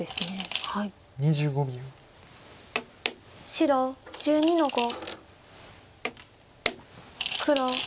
白１５の五。